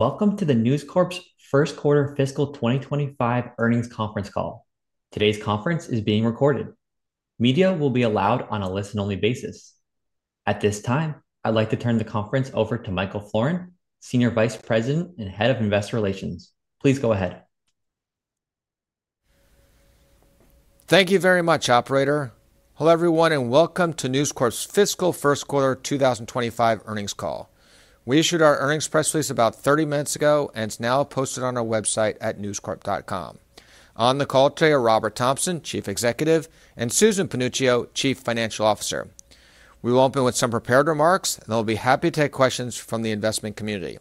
Welcome to the News Corp's First Quarter Fiscal 2025 Earnings Conference Call. Today's conference is being recorded. Media will be allowed on a listen-only basis. At this time, I'd like to turn the conference over to Michael Florin, Senior Vice President and Head of Investor Relations. Please go ahead. Thank you very much, Operator. Hello, everyone, and welcome to News Corp's Fiscal First Quarter 2025 Earnings Call. We issued our earnings press release about 30 minutes ago, and it's now posted on our website at newscorp.com. On the call today are Robert Thomson, Chief Executive, and Susan Panuccio, Chief Financial Officer. We will open with some prepared remarks, and they'll be happy to take questions from the investment community.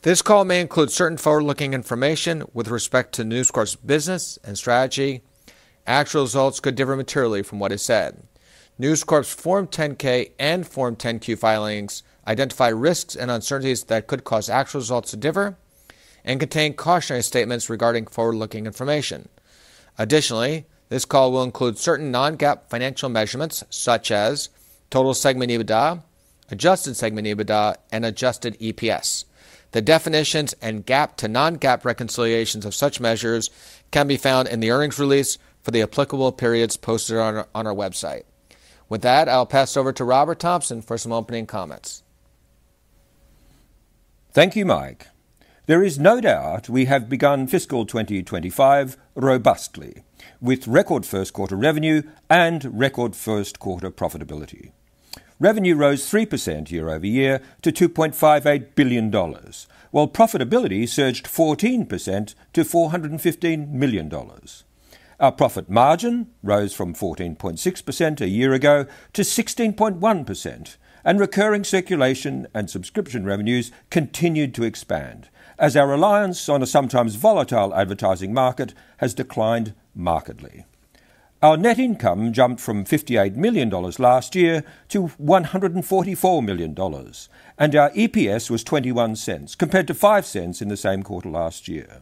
This call may include certain forward-looking information with respect to News Corp's business and strategy. Actual results could differ materially from what is said. News Corp's Form 10-K and Form 10-Q filings identify risks and uncertainties that could cause actual results to differ and contain cautionary statements regarding forward-looking information. Additionally, this call will include certain non-GAAP financial measurements, such as total segment EBITDA, adjusted segment EBITDA, and adjusted EPS. The definitions and GAAP to non-GAAP reconciliations of such measures can be found in the earnings release for the applicable periods posted on our website. With that, I'll pass it over to Robert Thomson for some opening comments. Thank you, Mike. There is no doubt we have begun Fiscal 2025 robustly, with record first quarter revenue and record first quarter profitability. Revenue rose 3% year over year to $2.58 billion, while profitability surged 14% to $415 million. Our profit margin rose from 14.6% a year ago to 16.1%, and recurring circulation and subscription revenues continued to expand as our reliance on a sometimes volatile advertising market has declined markedly. Our net income jumped from $58 million last year to $144 million, and our EPS was $0.21 compared to $0.05 in the same quarter last year.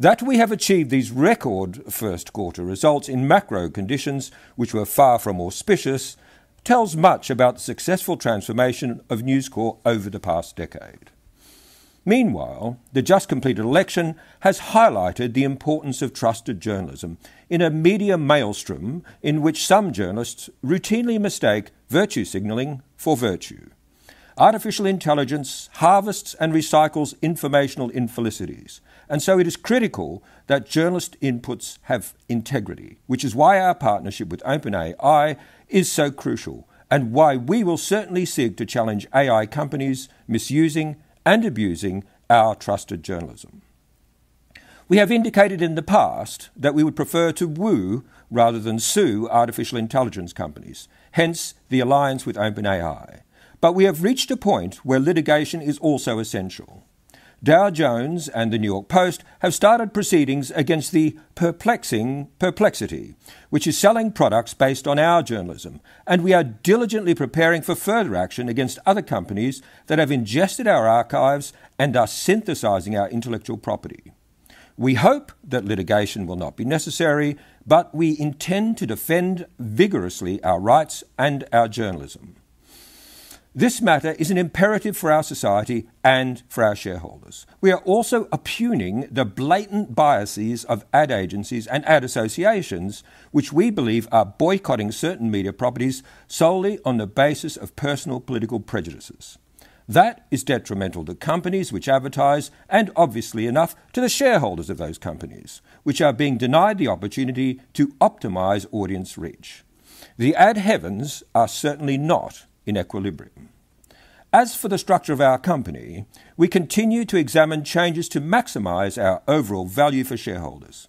That we have achieved these record first quarter results in macro conditions, which were far from auspicious, tells much about the successful transformation of News Corp over the past decade. Meanwhile, the just completed election has highlighted the importance of trusted journalism in a media maelstrom in which some journalists routinely mistake virtue signaling for virtue. Artificial intelligence harvests and recycles informational infelicities, and so it is critical that journalist inputs have integrity, which is why our partnership with OpenAI is so crucial and why we will certainly seek to challenge AI companies misusing and abusing our trusted journalism. We have indicated in the past that we would prefer to woo rather than sue artificial intelligence companies, hence the alliance with OpenAI. But we have reached a point where litigation is also essential. Dow Jones and the New York Post have started proceedings against the perplexing Perplexity, which is selling products based on our journalism, and we are diligently preparing for further action against other companies that have ingested our archives and are synthesizing our intellectual property. We hope that litigation will not be necessary, but we intend to defend vigorously our rights and our journalism. This matter is an imperative for our society and for our shareholders. We are also opposing the blatant biases of ad agencies and ad associations, which we believe are boycotting certain media properties solely on the basis of personal political prejudices. That is detrimental to companies which advertise, and obviously enough to the shareholders of those companies, which are being denied the opportunity to optimize audience reach. The ad markets are certainly not in equilibrium. As for the structure of our company, we continue to examine changes to maximize our overall value for shareholders.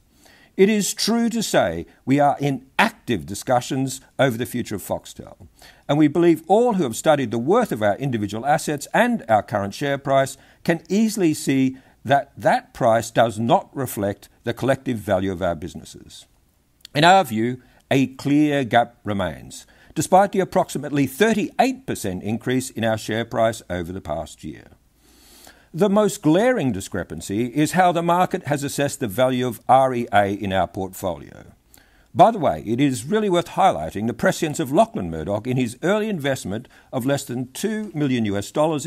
It is true to say we are in active discussions over the future of Foxtel, and we believe all who have studied the worth of our individual assets and our current share price can easily see that that price does not reflect the collective value of our businesses. In our view, a clear gap remains, despite the approximately 38% increase in our share price over the past year. The most glaring discrepancy is how the market has assessed the value of REA in our portfolio. By the way, it is really worth highlighting the presence of Lachlan Murdoch in his early investment of less than $2 million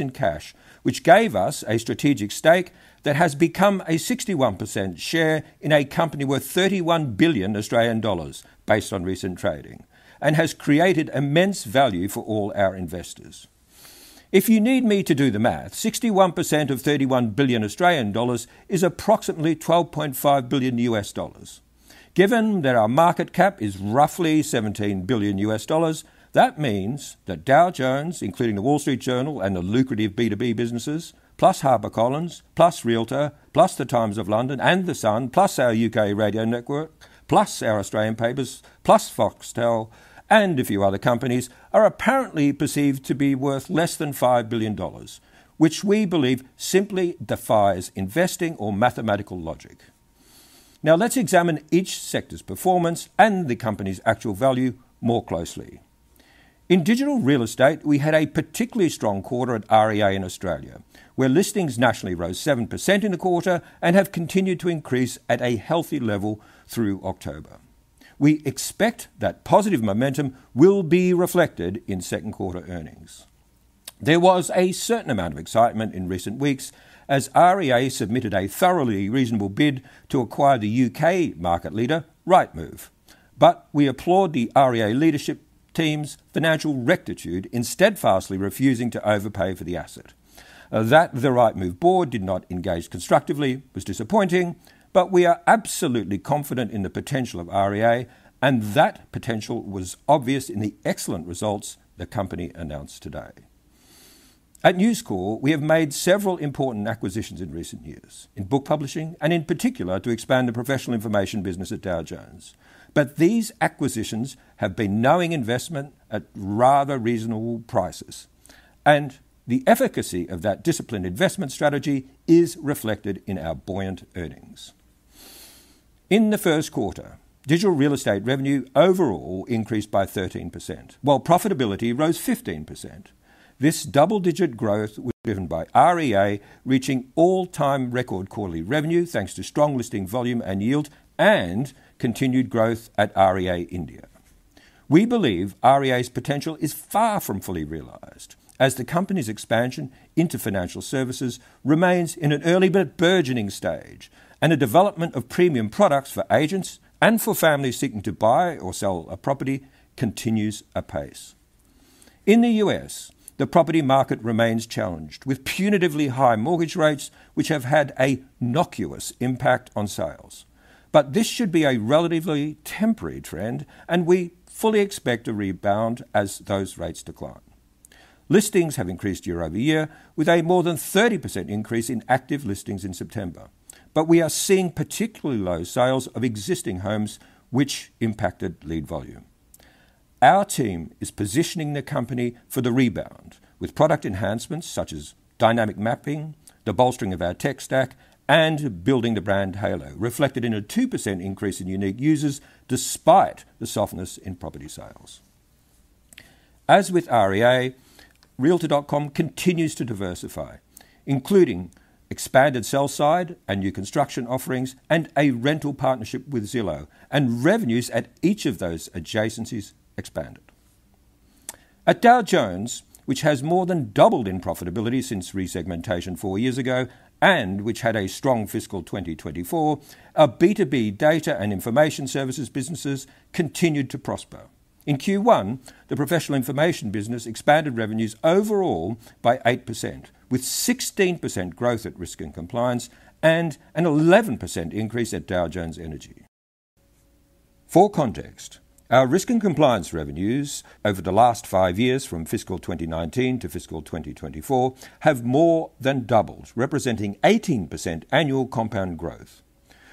in cash, which gave us a strategic stake that has become a 61% share in a company worth $31 billion based on recent trading and has created immense value for all our investors. If you need me to do the math, 61% of $31 billion is approximately $12.5 billion. Given that our market cap is roughly $17 billion, that means that Dow Jones, including the Wall Street Journal and the lucrative B2B businesses, plus HarperCollins, plus Realtor, plus the Times of London and The Sun, plus our U.K. radio network, plus our Australian papers, plus Foxtel, and a few other companies are apparently perceived to be worth less than $5 billion, which we believe simply defies investing or mathematical logic. Now let's examine each sector's performance and the company's actual value more closely. In digital real estate, we had a particularly strong quarter at REA in Australia, where listings nationally rose 7% in the quarter and have continued to increase at a healthy level through October. We expect that positive momentum will be reflected in second quarter earnings. There was a certain amount of excitement in recent weeks as REA submitted a thoroughly reasonable bid to acquire the U.K. market leader, Rightmove. But we applaud the REA leadership team's financial rectitude in steadfastly refusing to overpay for the asset. That the Rightmove board did not engage constructively was disappointing, but we are absolutely confident in the potential of REA, and that potential was obvious in the excellent results the company announced today. At News Corp, we have made several important acquisitions in recent years, in book publishing and in particular to expand the professional information business at Dow Jones. But these acquisitions have been knowing investment at rather reasonable prices, and the efficacy of that disciplined investment strategy is reflected in our buoyant earnings. In the first quarter, digital real estate revenue overall increased by 13%, while profitability rose 15%. This double-digit growth was driven by REA reaching all-time record quarterly revenue thanks to strong listing volume and yield and continued growth at REA India. We believe REA's potential is far from fully realized as the company's expansion into financial services remains in an early but burgeoning stage, and the development of premium products for agents and for families seeking to buy or sell a property continues apace. In the U.S., the property market remains challenged with punitively high mortgage rates, which have had a uncertain impact on sales. But this should be a relatively temporary trend, and we fully expect a rebound as those rates decline. Listings have increased year over year, with a more than 30% increase in active listings in September, but we are seeing particularly low sales of existing homes, which impacted lead volume. Our team is positioning the company for the rebound with product enhancements such as dynamic mapping, the bolstering of our tech stack, and building the brand halo, reflected in a 2% increase in unique users despite the softness in property sales. As with REA, Realtor.com continues to diversify, including expanded sell side, new construction offerings, and a rental partnership with Zillow, and revenues at each of those adjacencies expanded. At Dow Jones, which has more than doubled in profitability since resegmentation four years ago and which had a strong fiscal 2024, our B2B data and information services businesses continued to prosper. In Q1, the professional information business expanded revenues overall by 8%, with 16% growth at Risk and Compliance and an 11% increase at Dow Jones Energy. For context, our risk and compliance revenues over the last five years from fiscal 2019 to fiscal 2024 have more than doubled, representing 18% annual compound growth.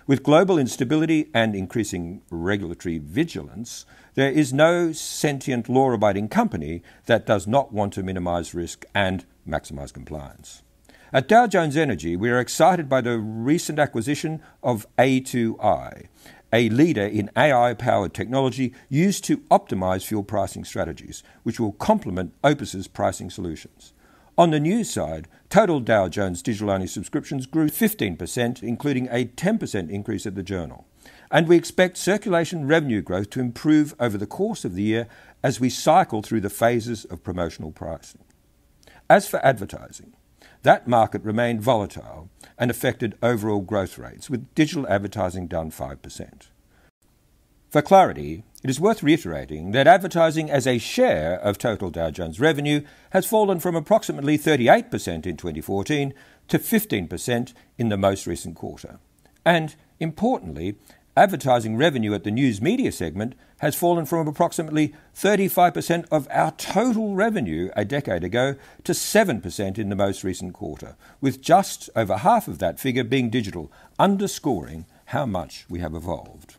With global instability and increasing regulatory vigilance, there is no sentient, law-abiding company that does not want to minimize risk and maximize compliance. At Dow Jones Energy, we are excited by the recent acquisition of A2i, a leader in AI-powered technology used to optimize fuel pricing strategies, which will complement OPIS's pricing solutions. On the news side, total Dow Jones digital only subscriptions grew 15%, including a 10% increase at the journal, and we expect circulation revenue growth to improve over the course of the year as we cycle through the phases of promotional pricing. As for advertising, that market remained volatile and affected overall growth rates, with digital advertising down 5%. For clarity, it is worth reiterating that advertising as a share of total Dow Jones revenue has fallen from approximately 38% in 2014 to 15% in the most recent quarter. And importantly, advertising revenue at the news media segment has fallen from approximately 35% of our total revenue a decade ago to 7% in the most recent quarter, with just over half of that figure being digital, underscoring how much we have evolved.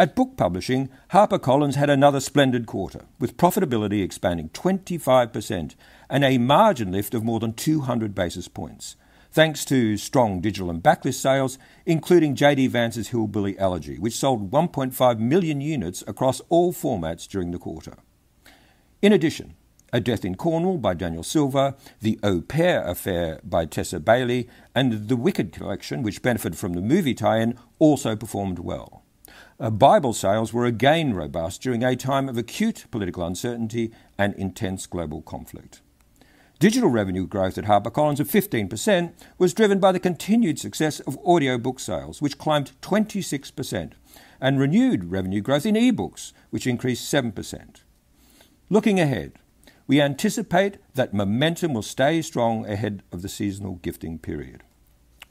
At book publishing, HarperCollins had another splendid quarter, with profitability expanding 25% and a margin lift of more than 200 basis points, thanks to strong digital and backlist sales, including J.D. Vance's Hillbilly Elegy which sold 1.5 million units across all formats during the quarter. In addition, A Death in Cornwall by Daniel Silva, The Au Pair Affair by Tessa Bailey, and The Wicked Collection, which benefited from the movie tie-in, also performed well. Bible sales were again robust during a time of acute political uncertainty and intense global conflict. Digital revenue growth at HarperCollins of 15% was driven by the continued success of audiobook sales, which climbed 26%, and renewed revenue growth in e-books, which increased 7%. Looking ahead, we anticipate that momentum will stay strong ahead of the seasonal gifting period.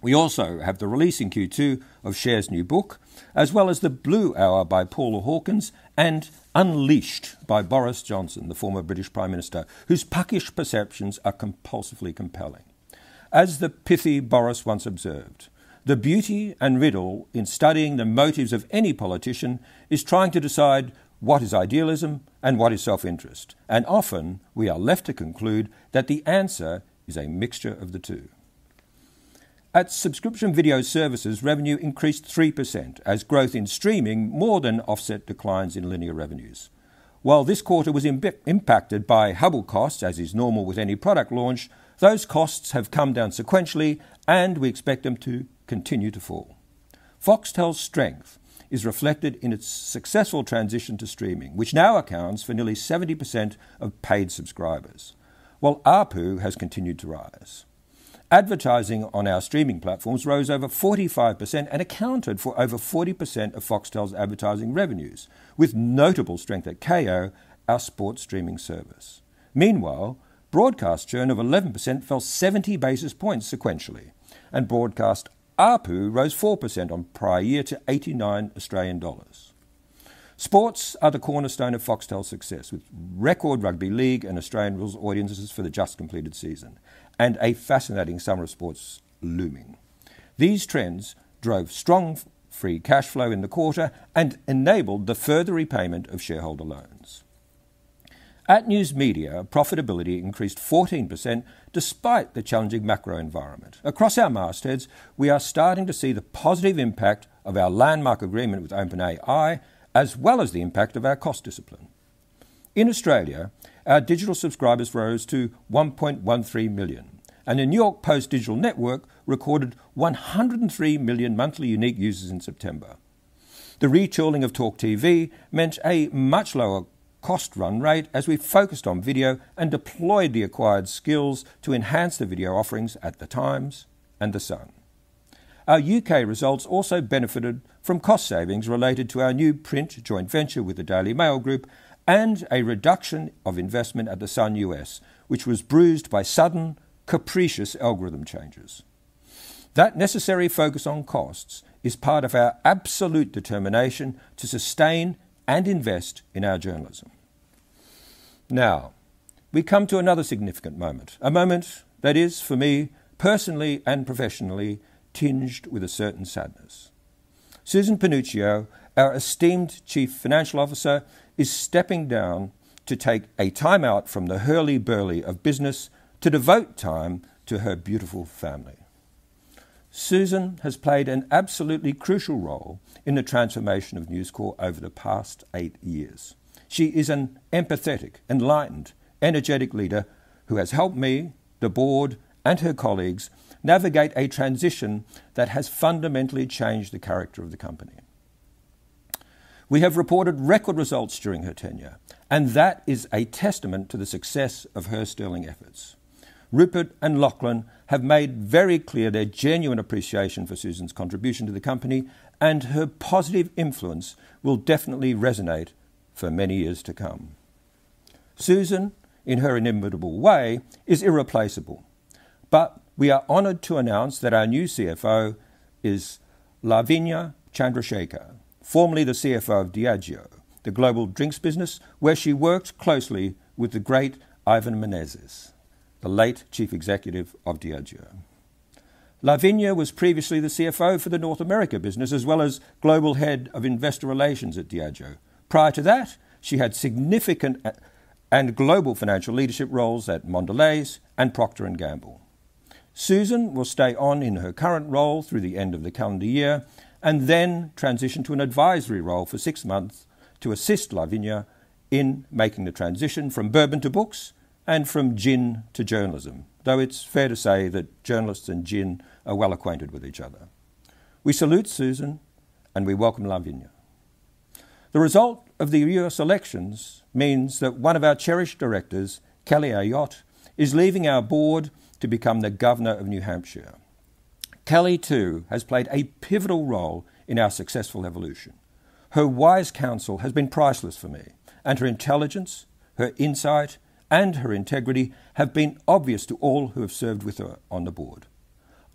We also have the release in Q2 of Cher's new book, as well as The Blue Hour by Paula Hawkins and Unleashed by Boris Johnson, the former British Prime Minister, whose puckish perceptions are compulsively compelling. As the pithy Boris once observed, "The beauty and riddle in studying the motives of any politician is trying to decide what is idealism and what is self-interest, and often we are left to conclude that the answer is a mixture of the two." At subscription video services, revenue increased 3% as growth in streaming more than offset declines in linear revenues. While this quarter was impacted by Hubbl costs, as is normal with any product launch, those costs have come down sequentially, and we expect them to continue to fall. Foxtel's strength is reflected in its successful transition to streaming, which now accounts for nearly 70% of paid subscribers, while ARPU has continued to rise. Advertising on our streaming platforms rose over 45% and accounted for over 40% of Foxtel's advertising revenues, with notable strength at Kayo, our sports streaming service. Meanwhile, broadcast churn of 11% fell 70 basis points sequentially, and broadcast ARPU rose 4% on prior year to 89 Australian dollars. Sports are the cornerstone of Foxtel's success, with record Rugby League and Australian Rules audiences for the just completed season and a fascinating summer of sports looming. These trends drove strong free cash flow in the quarter and enabled the further repayment of shareholder loans. At news media, profitability increased 14% despite the challenging macro environment. Across our mastheads, we are starting to see the positive impact of our landmark agreement with OpenAI, as well as the impact of our cost discipline. In Australia, our digital subscribers rose to 1.13 million, and the New York Post digital network recorded 103 million monthly unique users in September. The retooling of TalkTV meant a much lower cost run rate as we focused on video and deployed the acquired skills to enhance the video offerings at The Times and The Sun. Our UK results also benefited from cost savings related to our new print joint venture with The Daily Mail Group and a reduction of investment at The Sun U.S., which was bruised by sudden, capricious algorithm changes. That necessary focus on costs is part of our absolute determination to sustain and invest in our journalism. Now we come to another significant moment, a moment that is, for me personally and professionally, tinged with a certain sadness. Susan Panuccio, our esteemed Chief Financial Officer, is stepping down to take a timeout from the hurly-burly of business to devote time to her beautiful family. Susan has played an absolutely crucial role in the transformation of News Corp over the past eight years. She is an empathetic, enlightened, energetic leader who has helped me, the board, and her colleagues navigate a transition that has fundamentally changed the character of the company. We have reported record results during her tenure, and that is a testament to the success of her sterling efforts. Rupert and Lachlan have made very clear their genuine appreciation for Susan's contribution to the company, and her positive influence will definitely resonate for many years to come. Susan, in her inimitable way, is irreplaceable, but we are honored to announce that our new CFO is Lavanya Chandrashekar, formerly the CFO of Diageo, the global drinks business, where she worked closely with the great Ivan Menezes, the late chief executive of Diageo. Lavanya was previously the CFO for the North America business, as well as global head of investor relations at Diageo. Prior to that, she had significant and global financial leadership roles at Mondelez and Procter & Gamble. Susan will stay on in her current role through the end of the calendar year and then transition to an advisory role for six months to assist Lavanya in making the transition from bourbon to books and from gin to journalism, though it's fair to say that journalists and gin are well acquainted with each other. We salute Susan, and we welcome Lavanya. The result of the U.S. elections means that one of our cherished directors, Kelly Ayotte, is leaving our board to become the governor of New Hampshire. Kelly, too, has played a pivotal role in our successful evolution. Her wise counsel has been priceless for me, and her intelligence, her insight, and her integrity have been obvious to all who have served with her on the board.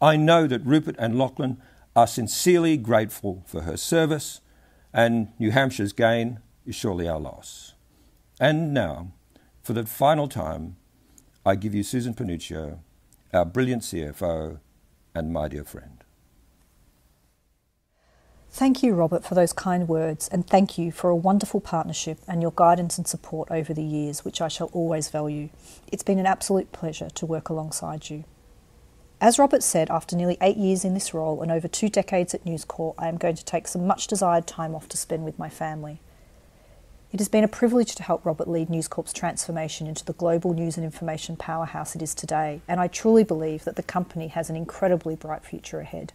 I know that Rupert and Lachlan are sincerely grateful for her service, and New Hampshire's gain is surely our loss. And now, for the final time, I give you Susan Panuccio, our brilliant CFO and my dear friend. Thank you, Robert, for those kind words, and thank you for a wonderful partnership and your guidance and support over the years, which I shall always value. It's been an absolute pleasure to work alongside you. As Robert said, after nearly eight years in this role and over two decades at News Corp, I am going to take some much-desired time off to spend with my family. It has been a privilege to help Robert lead News Corp's transformation into the global news and information powerhouse it is today, and I truly believe that the company has an incredibly bright future ahead.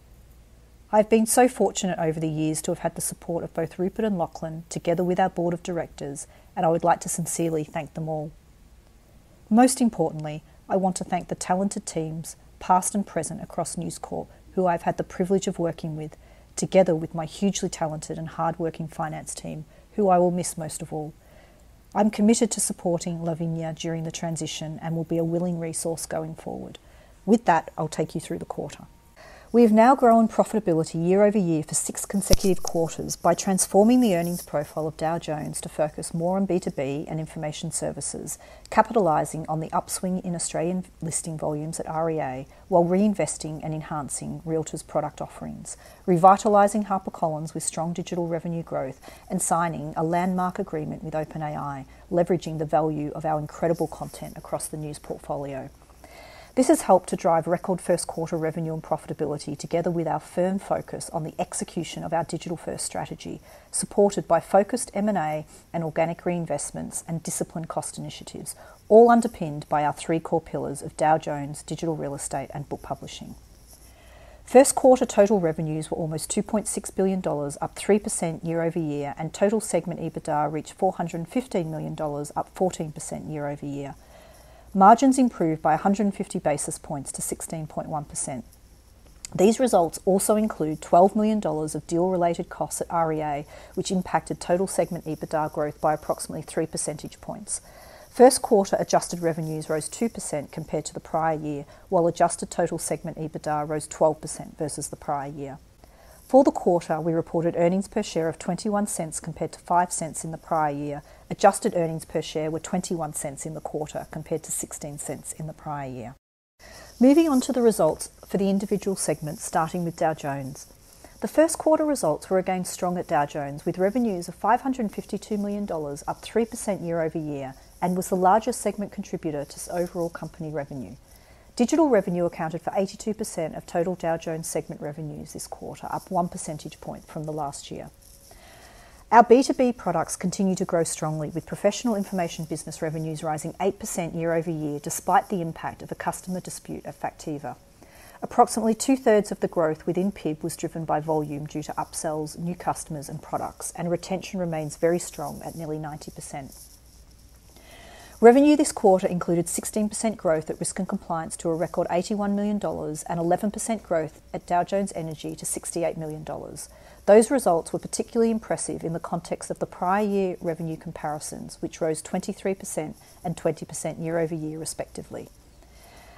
I've been so fortunate over the years to have had the support of both Rupert and Lachlan together with our board of directors, and I would like to sincerely thank them all. Most importantly, I want to thank the talented teams, past and present, across News Corp, who I've had the privilege of working with, together with my hugely talented and hardworking finance team, who I will miss most of all. I'm committed to supporting Lavanya during the transition and will be a willing resource going forward. With that, I'll take you through the quarter. We have now grown profitability year over year for six consecutive quarters by transforming the earnings profile of Dow Jones to focus more on B2B and information services, capitalizing on the upswing in Australian listing volumes at REA while reinvesting and enhancing Realtor's product offerings, revitalizing HarperCollins with strong digital revenue growth, and signing a landmark agreement with OpenAI, leveraging the value of our incredible content across the news portfolio. This has helped to drive record first quarter revenue and profitability, together with our firm focus on the execution of our digital-first strategy, supported by focused M&A and organic reinvestments and disciplined cost initiatives, all underpinned by our three core pillars of Dow Jones digital real estate and book publishing. First quarter total revenues were almost $2.6 billion, up 3% year over year, and total segment EBITDA reached $415 million, up 14% year over year. Margins improved by 150 basis points to 16.1%. These results also include $12 million of deal-related costs at REA, which impacted total segment EBITDA growth by approximately 3 percentage points. First quarter adjusted revenues rose 2% compared to the prior year, while adjusted total segment EBITDA rose 12% versus the prior year. For the quarter, we reported earnings per share of $0.21 compared to $0.05 in the prior year. Adjusted earnings per share were $0.21 in the quarter compared to $0.16 in the prior year. Moving on to the results for the individual segments, starting with Dow Jones. The first quarter results were again strong at Dow Jones, with revenues of $552 million, up 3% year over year, and was the largest segment contributor to overall company revenue. Digital revenue accounted for 82% of total Dow Jones segment revenues this quarter, up 1 percentage point from the last year. Our B2B products continue to grow strongly, with professional information business revenues rising 8% year over year, despite the impact of a customer dispute at Factiva. Approximately two-thirds of the growth within PIB was driven by volume due to upsells, new customers, and products, and retention remains very strong at nearly 90%. Revenue this quarter included 16% growth at risk and compliance to a record $81 million and 11% growth at Dow Jones Energy to $68 million. Those results were particularly impressive in the context of the prior year revenue comparisons, which rose 23% and 20% year over year, respectively.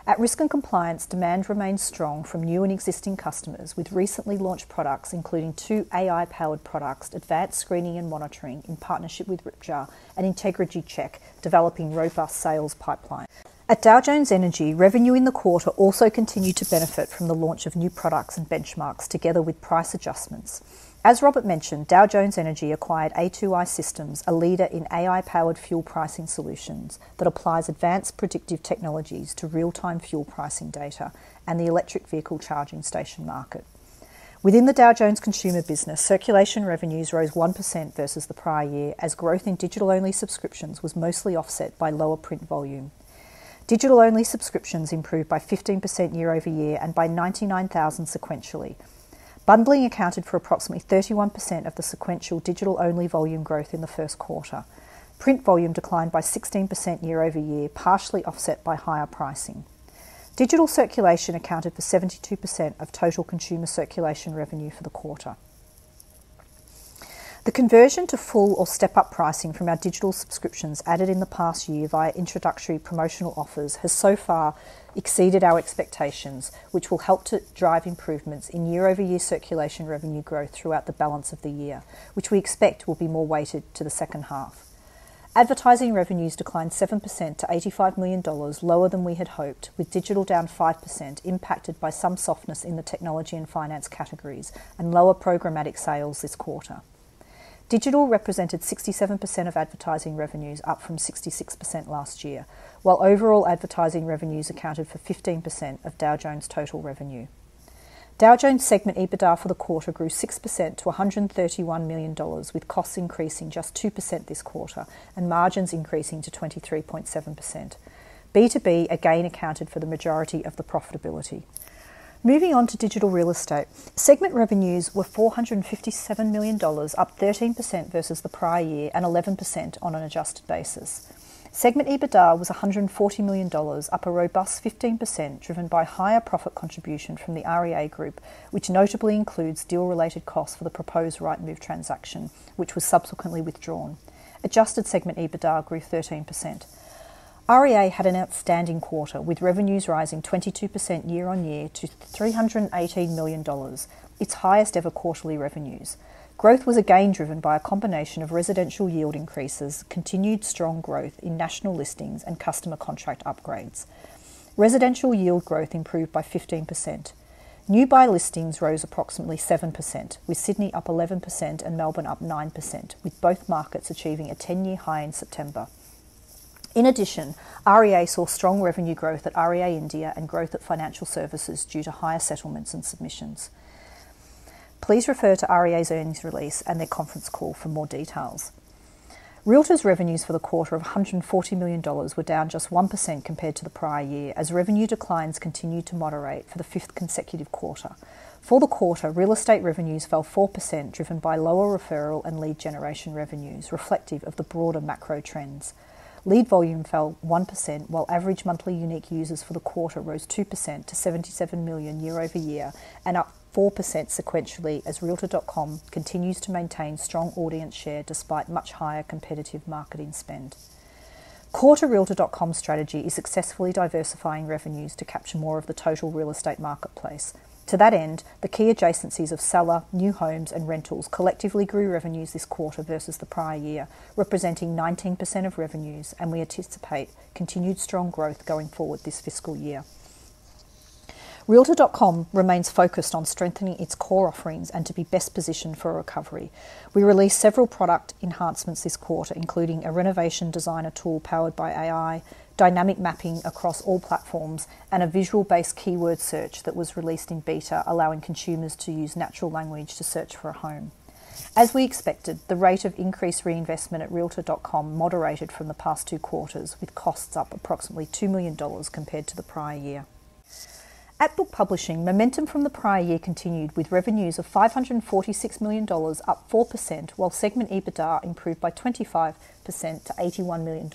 At Risk and Compliance, demand remained strong from new and existing customers, with recently launched products, including two AI-powered products, Advanced Screening and Monitoring, in partnership with Ripjar, and Integrity Check, developing robust sales pipelines. At Dow Jones Energy, revenue in the quarter also continued to benefit from the launch of new products and benchmarks, together with price adjustments. As Robert mentioned, Dow Jones Energy acquired A2i Systems, a leader in AI-powered fuel pricing solutions that applies advanced predictive technologies to real-time fuel pricing data and the electric vehicle charging station market. Within the Dow Jones consumer business, circulation revenues rose 1% versus the prior year, as growth in digital-only subscriptions was mostly offset by lower print volume. Digital-only subscriptions improved by 15% year over year and by 99,000 sequentially. Bundling accounted for approximately 31% of the sequential digital-only volume growth in the first quarter. Print volume declined by 16% year over year, partially offset by higher pricing. Digital circulation accounted for 72% of total consumer circulation revenue for the quarter. The conversion to full or step-up pricing from our digital subscriptions added in the past year via introductory promotional offers has so far exceeded our expectations, which will help to drive improvements in year-over-year circulation revenue growth throughout the balance of the year, which we expect will be more weighted to the second half. Advertising revenues declined 7% to $85 million, lower than we had hoped, with digital down 5%, impacted by some softness in the technology and finance categories and lower programmatic sales this quarter. Digital represented 67% of advertising revenues, up from 66% last year, while overall advertising revenues accounted for 15% of Dow Jones total revenue. Dow Jones segment EBITDA for the quarter grew 6% to $131 million, with costs increasing just 2% this quarter and margins increasing to 23.7%. B2B again accounted for the majority of the profitability. Moving on to digital real estate, segment revenues were $457 million, up 13% versus the prior year and 11% on an adjusted basis. Segment EBITDA was $140 million, up a robust 15%, driven by higher profit contribution from the REA Group, which notably includes deal-related costs for the proposed Rightmove transaction, which was subsequently withdrawn. Adjusted segment EBITDA grew 13%. REA had an outstanding quarter, with revenues rising 22% year on year to $318 million, its highest ever quarterly revenues. Growth was again driven by a combination of residential yield increases, continued strong growth in national listings, and customer contract upgrades. Residential yield growth improved by 15%. New buy listings rose approximately 7%, with Sydney up 11% and Melbourne up 9%, with both markets achieving a 10-year high in September. In addition, REA saw strong revenue growth at REA India and growth at financial services due to higher settlements and submissions. Please refer to REA's earnings release and their conference call for more details. Realtor.com's revenues for the quarter of $140 million were down just 1% compared to the prior year, as revenue declines continued to moderate for the fifth consecutive quarter. For the quarter, real estate revenues fell 4%, driven by lower referral and lead generation revenues, reflective of the broader macro trends. Lead volume fell 1%, while average monthly unique users for the quarter rose 2% to 77 million year over year and up 4% sequentially, as Realtor.com continues to maintain strong audience share despite much higher competitive marketing spend. Our Realtor.com strategy is successfully diversifying revenues to capture more of the total real estate marketplace. To that end, the key adjacencies of seller, new homes, and rentals collectively grew revenues this quarter versus the prior year, representing 19% of revenues, and we anticipate continued strong growth going forward this fiscal year. Realtor.com remains focused on strengthening its core offerings and to be best positioned for a recovery. We released several product enhancements this quarter, including a renovation designer tool powered by AI, dynamic mapping across all platforms, and a visual-based keyword search that was released in beta, allowing consumers to use natural language to search for a home. As we expected, the rate of increased reinvestment at Realtor.com moderated from the past two quarters, with costs up approximately $2 million compared to the prior year. In Book Publishing, momentum from the prior year continued, with revenues of $546 million, up 4%, while segment EBITDA improved by 25% to $81 million.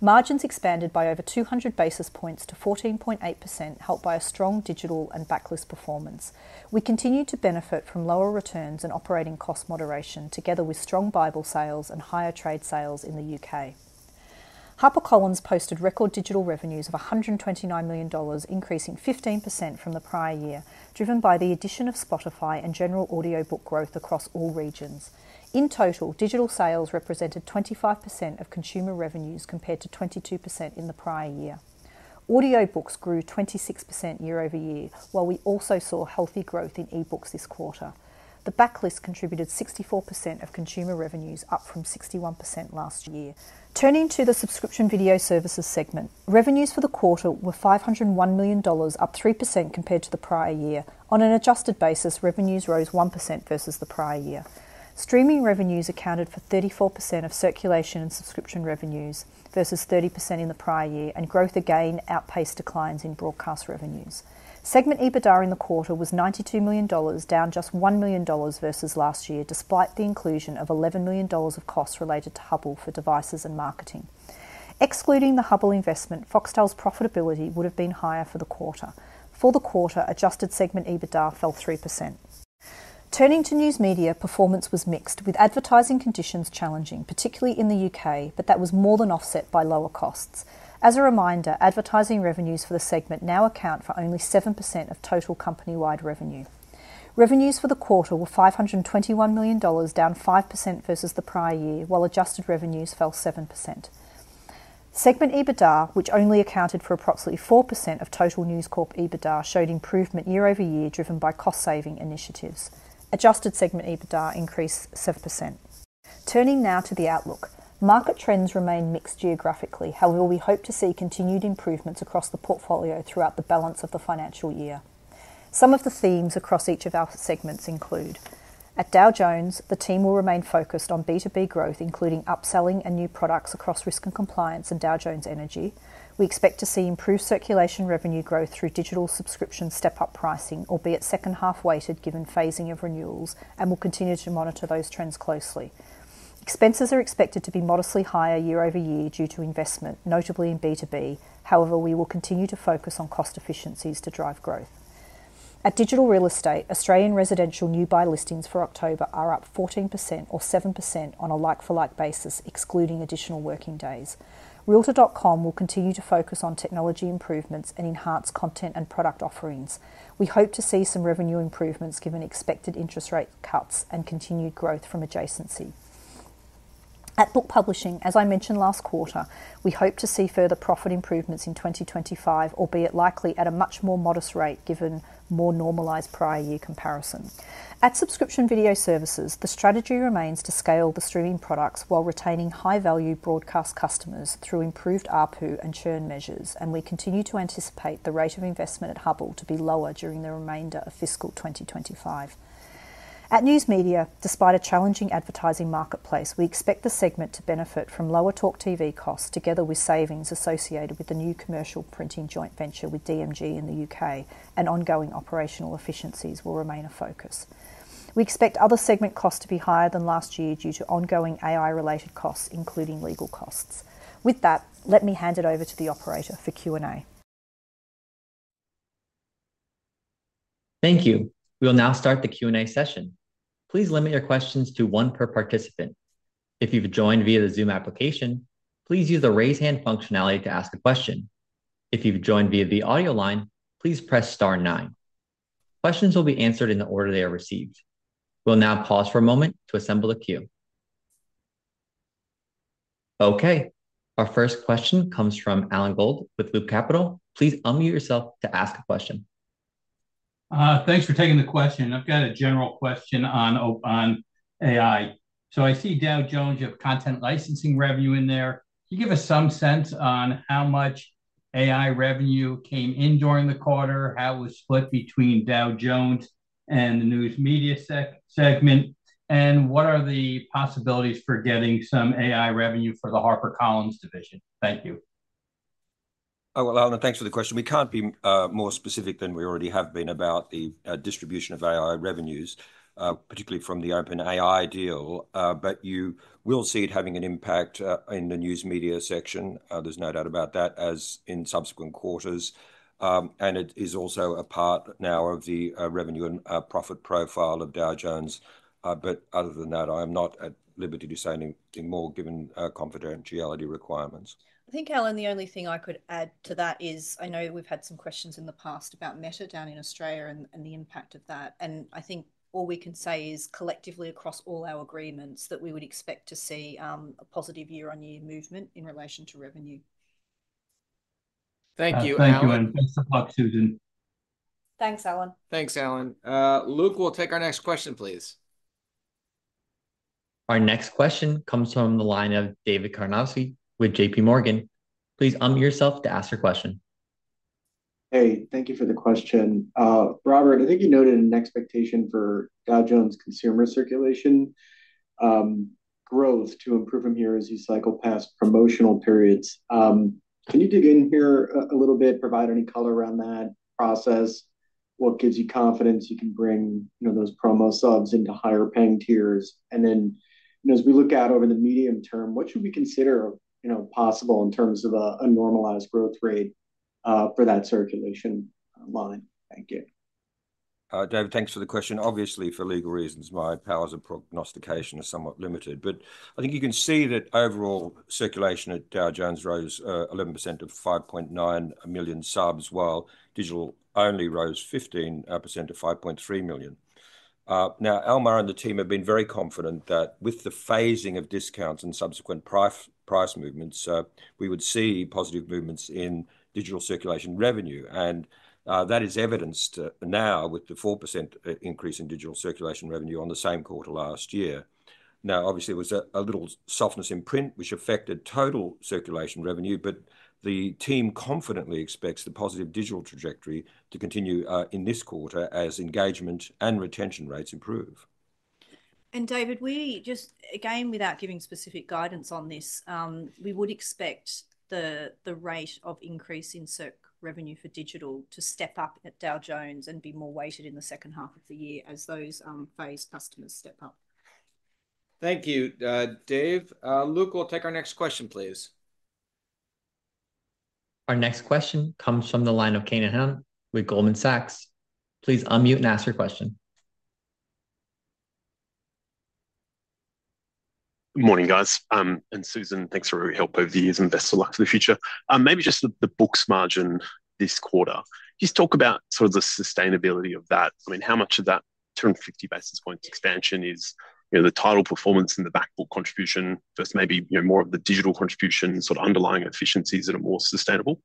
Margins expanded by over 200 basis points to 14.8%, helped by a strong digital and backlist performance. We continue to benefit from lower returns and operating cost moderation, together with strong Bible sales and higher trade sales in the U.K. HarperCollins posted record digital revenues of $129 million, increasing 15% from the prior year, driven by the addition of Spotify and general audiobook growth across all regions. In total, digital sales represented 25% of consumer revenues compared to 22% in the prior year. Audiobooks grew 26% year over year, while we also saw healthy growth in ebooks this quarter. The backlist contributed 64% of consumer revenues, up from 61% last year. Turning to the subscription video services segment, revenues for the quarter were $501 million, up 3% compared to the prior year. On an adjusted basis, revenues rose 1% versus the prior year. Streaming revenues accounted for 34% of circulation and subscription revenues versus 30% in the prior year, and growth again outpaced declines in broadcast revenues. Segment EBITDA in the quarter was $92 million, down just $1 million versus last year, despite the inclusion of $11 million of costs related to Hubbl for devices and marketing. Excluding the Hubbl investment, Foxtel's profitability would have been higher for the quarter. For the quarter, adjusted segment EBITDA fell 3%. Turning to news media, performance was mixed, with advertising conditions challenging, particularly in the U.K., but that was more than offset by lower costs. As a reminder, advertising revenues for the segment now account for only 7% of total company-wide revenue. Revenues for the quarter were $521 million, down 5% versus the prior year, while adjusted revenues fell 7%. Segment EBITDA, which only accounted for approximately 4% of total News Corp EBITDA, showed improvement year over year, driven by cost-saving initiatives. Adjusted segment EBITDA increased 7%. Turning now to the outlook, market trends remain mixed geographically, however we hope to see continued improvements across the portfolio throughout the balance of the financial year. Some of the themes across each of our segments include: at Dow Jones, the team will remain focused on B2B growth, including upselling and new products across risk and compliance and Dow Jones Energy. We expect to see improved circulation revenue growth through digital subscription step-up pricing, albeit second half weighted given phasing of renewals, and will continue to monitor those trends closely. Expenses are expected to be modestly higher year over year due to investment, notably in B2B. However, we will continue to focus on cost efficiencies to drive growth. At digital real estate, Australian residential new buy listings for October are up 14% or 7% on a like-for-like basis, excluding additional working days. Realtor.com will continue to focus on technology improvements and enhance content and product offerings. We hope to see some revenue improvements given expected interest rate cuts and continued growth from adjacency. At book publishing, as I mentioned last quarter, we hope to see further profit improvements in 2025, albeit likely at a much more modest rate given more normalized prior year comparison. At subscription video services, the strategy remains to scale the streaming products while retaining high-value broadcast customers through improved ARPU and churn measures, and we continue to anticipate the rate of investment at Hubbl to be lower during the remainder of fiscal 2025. At news media, despite a challenging advertising marketplace, we expect the segment to benefit from lower TalkTV costs, together with savings associated with the new commercial printing joint venture with DMG in the U.K., and ongoing operational efficiencies will remain a focus. We expect other segment costs to be higher than last year due to ongoing AI-related costs, including legal costs. With that, let me hand it over to the operator for Q&A. Thank you. We will now start the Q&A session. Please limit your questions to one per participant. If you've joined via the Zoom application, please use the raise hand functionality to ask a question. If you've joined via the audio line, please press star nine. Questions will be answered in the order they are received. We'll now pause for a moment to assemble a queue. Okay, our first question comes from Alan Gould with Loop Capital. Please unmute yourself to ask a question. Thanks for taking the question. I've got a general question on AI. So I see Dow Jones, you have content licensing revenue in there. Can you give us some sense on how much AI revenue came in during the quarter, how it was split between Dow Jones and the news media segment, and what are the possibilities for getting some AI revenue for the HarperCollins division? Thank you. Alan, thanks for the question. We can't be more specific than we already have been about the distribution of AI revenues, particularly from the OpenAI deal, but you will see it having an impact in the news media section. There's no doubt about that, as in subsequent quarters. It is also a part now of the revenue and profit profile of Dow Jones. Other than that, I'm not at liberty to say anything more given confidentiality requirements. I think, Alan, the only thing I could add to that is I know we've had some questions in the past about Meta down in Australia and the impact of that, and I think all we can say is collectively across all our agreements that we would expect to see a positive year-on-year movement in relation to revenue. Thank you, Alan. Thank you, and thanks for talking, Susan. Thanks, Alan. Thanks, Alan. Luke, we'll take our next question, please. Our next question comes from the line of David Karnovsky with J.P. Morgan. Please unmute yourself to ask your question. Hey, thank you for the question. Robert, I think you noted an expectation for Dow Jones consumer circulation growth to improve then here as you cycle past promotional periods. Can you dig in here a little bit, provide any color around that process? What gives you confidence you can bring those promo subs into higher paying tiers? And then as we look out over the medium term, what should we consider possible in terms of a normalized growth rate for that circulation line? Thank you. David, thanks for the question. Obviously, for legal reasons, my powers of prognostication are somewhat limited, but I think you can see that overall circulation at Dow Jones rose 11% to 5.9 million subs, while digital only rose 15% to 5.3 million. Now, Almar and the team have been very confident that with the phasing of discounts and subsequent price movements, we would see positive movements in digital circulation revenue. And that is evidenced now with the 4% increase in digital circulation revenue on the same quarter last year. Now, obviously, there was a little softness in print, which affected total circulation revenue, but the team confidently expects the positive digital trajectory to continue in this quarter as engagement and retention rates improve. And, David, we just, again, without giving specific guidance on this, we would expect the rate of increase in CIRC revenue for digital to step up at Dow Jones and be more weighted in the second half of the year as those paid customers step up. Thank you, Dave. Luke, we'll take our next question, please. Our next question comes from the line of Kane Hannan with Goldman Sachs. Please unmute and ask your question. Good morning, guys. And Susan, thanks for your help over the years and best of luck for the future. Maybe just the books margin this quarter. Just talk about sort of the sustainability of that. I mean, how much of that 250 basis points expansion is the title performance and the backlist contribution, versus maybe more of the digital contribution, sort of underlying efficiencies that are more sustainable?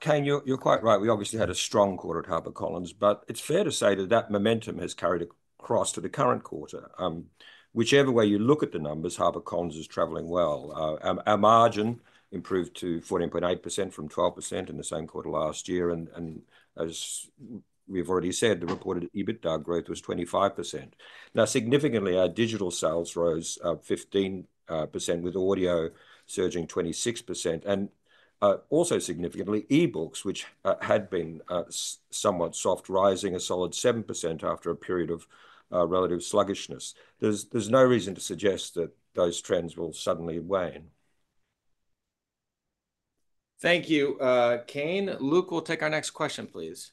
Kane, you're quite right. We obviously had a strong quarter at HarperCollins, but it's fair to say that that momentum has carried across to the current quarter. Whichever way you look at the numbers, HarperCollins is traveling well. Our margin improved to 14.8% from 12% in the same quarter last year, and as we've already said, the reported EBITDA growth was 25%. Now, significantly, our digital sales rose 15%, with audio surging 26%. And also significantly, eBooks, which had been somewhat soft, rising a solid 7% after a period of relative sluggishness. There's no reason to suggest that those trends will suddenly wane. Thank you, Kane. Luke, we'll take our next question, please.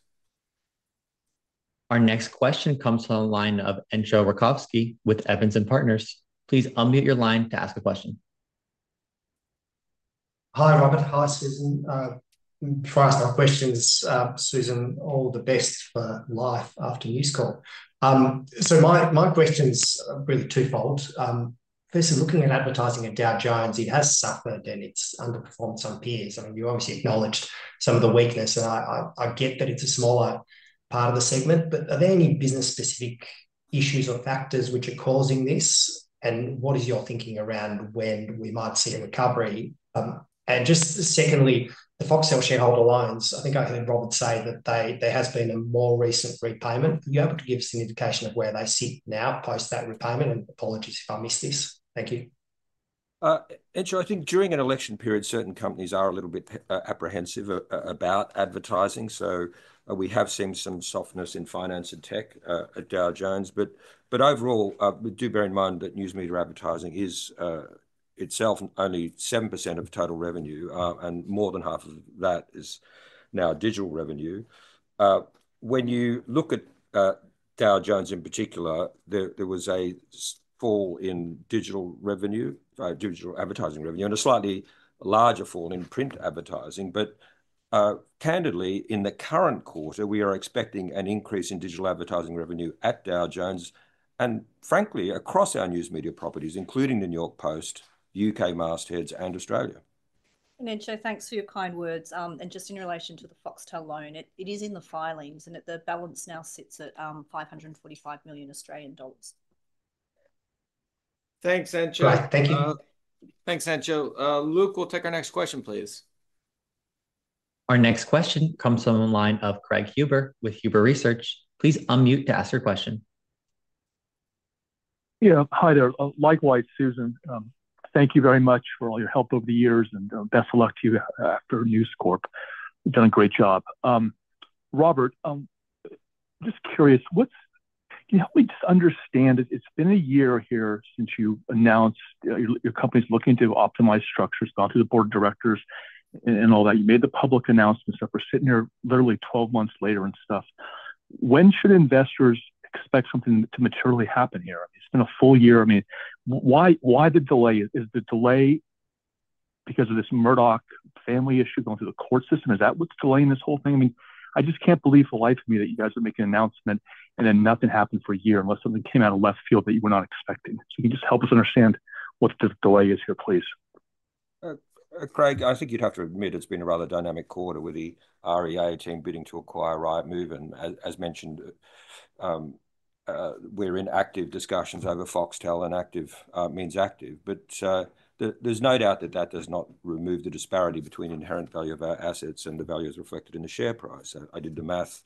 Our next question comes from the line of Entcho Raykovski with Evans & Partners. Please unmute your line to ask a question. Hi, Robert. Hi, Susan. Prior to our questions, Susan, all the best for life after News Corp. So my question's really twofold. Firstly, looking at advertising at Dow Jones, it has suffered and it's underperformed some peers. I mean, you obviously acknowledged some of the weakness. And I get that it's a smaller part of the segment, but are there any business-specific issues or factors which are causing this? And what is your thinking around when we might see a recovery? And just secondly, the Foxtel shareholder loans, I think I heard Robert say that there has been a more recent repayment. Are you able to give us an indication of where they sit now post that repayment? And apologies if I missed this. Thank you. Entcho, I think during an election period, certain companies are a little bit apprehensive about advertising. So we have seen some softness in finance and tech at Dow Jones. But overall, do bear in mind that news media advertising is itself only 7% of total revenue, and more than half of that is now digital revenue. When you look at Dow Jones in particular, there was a fall in digital revenue, digital advertising revenue, and a slightly larger fall in print advertising. But candidly, in the current quarter, we are expecting an increase in digital advertising revenue at Dow Jones and, frankly, across our news media properties, including the New York Post, UK mastheads, and Australia. Entcho, thanks for your kind words. Just in relation to the Foxtel loan, it is in the filings, and the balance now sits at 545 million Australian dollars. Thanks, Enjo. Thank you. Thanks, Entcho. Luke, we'll take our next question, please. Our next question comes from the line of Craig Huber with Huber Research. Please unmute to ask your question. Yeah, hi there. Likewise, Susan. Thank you very much for all your help over the years, and best of luck to you after News Corp. You've done a great job. Robert, just curious, can you help me just understand? It's been a year here since you announced your company's looking to optimize structures, gone through the board of directors and all that. You made the public announcement stuff. We're sitting here literally 12 months later and stuff. When should investors expect something to materially happen here? It's been a full year. I mean, why the delay? Is the delay because of this Murdoch family issue going through the court system? Is that what's delaying this whole thing? I mean, I just can't believe for the life of me that you guys are making an announcement and then nothing happened for a year unless something came out of left field that you were not expecting. So can you just help us understand what the delay is here, please? Craig, I think you'd have to admit it's been a rather dynamic quarter with the REA team bidding to acquire Rightmove. And as mentioned, we're in active discussions over Foxtel and active means active. But there's no doubt that that does not remove the disparity between inherent value of our assets and the values reflected in the share price. I did the math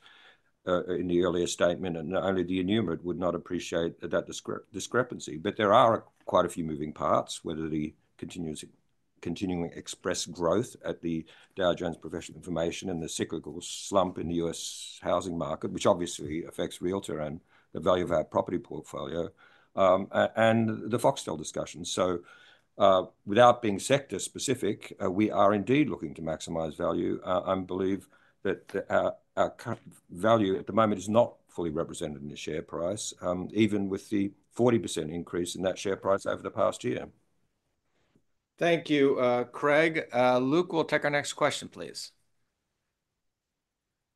in the earlier statement, and only the innumerate would not appreciate that discrepancy. But there are quite a few moving parts, whether the continuing impressive growth at the Dow Jones professional information and the cyclical slump in the U.S. housing market, which obviously affects Realtor and the value of our property portfolio, and the Foxtel discussion. So without being sector specific, we are indeed looking to maximize value. I believe that our current value at the moment is not fully represented in the share price, even with the 40% increase in that share price over the past year. Thank you, Craig. Luke, we'll take our next question, please.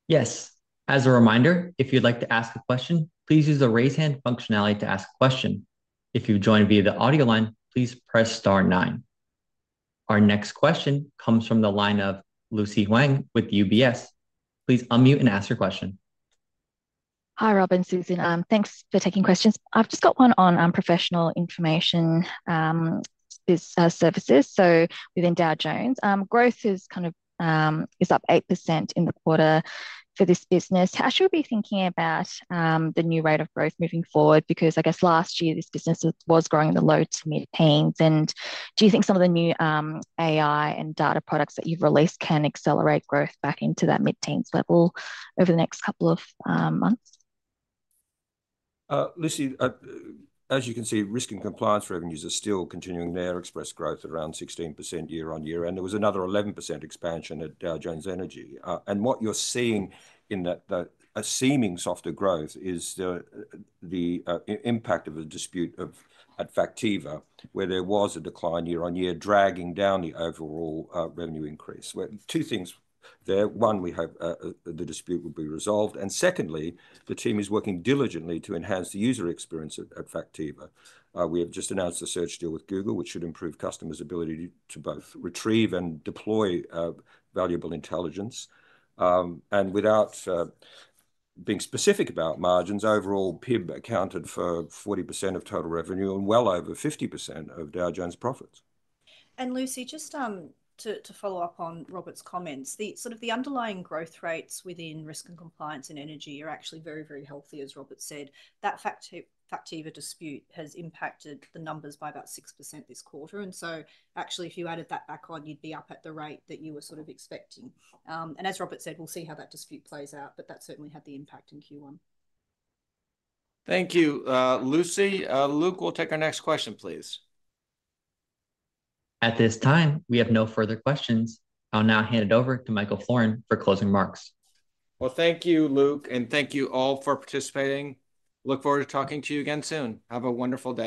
Yes. As a reminder, if you'd like to ask a question, please use the raise hand functionality to ask a question. If you've joined via the audio line, please press star nine. Our next question comes from the line of Lucy Huang with UBS. Please unmute and ask your question. Hi, Rob and Susan. Thanks for taking questions. I've just got one on professional information services. So within Dow Jones, growth is kind of up 8% in the quarter for this business. How should we be thinking about the new rate of growth moving forward? Because I guess last year this business was growing in the low to mid-teens. And do you think some of the new AI and data products that you've released can accelerate growth back into that mid-teens level over the next couple of months? Lucy, as you can see, Risk and Compliance revenues are still continuing impressive growth at around 16% year on year, and there was another 11% expansion at Dow Jones Energy, and what you're seeing in a seeming softer growth is the impact of a dispute at Factiva, where there was a decline year on year dragging down the overall revenue increase. Two things there. One, we hope the dispute will be resolved, and secondly, the team is working diligently to enhance the user experience at Factiva. We have just announced a search deal with Google, which should improve customers' ability to both retrieve and deploy valuable intelligence, and without being specific about margins, overall PIB accounted for 40% of total revenue and well over 50% of Dow Jones profits. Lucy, just to follow up on Robert's comments, the sort of underlying growth rates within Risk and Compliance in Energy are actually very, very healthy, as Robert said. That Factiva dispute has impacted the numbers by about 6% this quarter. So actually, if you added that back on, you'd be up at the rate that you were sort of expecting. As Robert said, we'll see how that dispute plays out, but that certainly had the impact in Q1. Thank you, Lucy. Luke, we'll take our next question, please. At this time, we have no further questions. I'll now hand it over to Michael Florin for closing remarks. Thank you, Luke, and thank you all for participating. Look forward to talking to you again soon. Have a wonderful day.